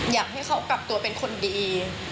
อยากให้เขากลับตัวเป็นคนดี